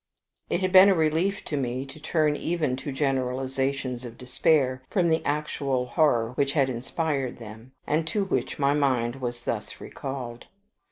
It had been a relief to me to turn even to generalizations of despair from the actual horror which had inspired them, and to which my mind was thus recalled.